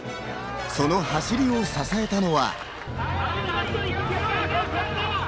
その走りを支えたのは。